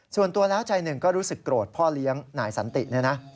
ส่วนตัวแล้วใจหนึ่งก็รู้สึกโกรธพ่อเลี้ยงนายสันติเนี่ยนะ